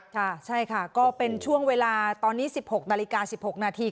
ค่ะใช่ค่ะก็เป็นช่วงเวลาตอนนี้สิบหกนาฬิกาสิบหกนาที